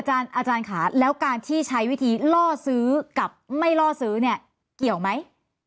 อาจารย์ค่ะแล้วการที่ใช้วิธีล่อซื้อกับไม่ล่อซื้อเนี่ยเกี่ยวไหม